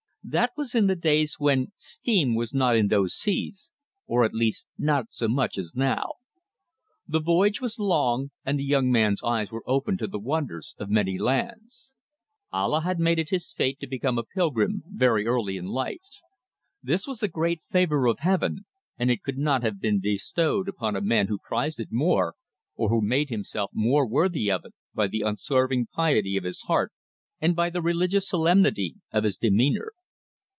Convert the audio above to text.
That was in the days when steam was not in those seas or, at least, not so much as now. The voyage was long, and the young man's eyes were opened to the wonders of many lands. Allah had made it his fate to become a pilgrim very early in life. This was a great favour of Heaven, and it could not have been bestowed upon a man who prized it more, or who made himself more worthy of it by the unswerving piety of his heart and by the religious solemnity of his demeanour.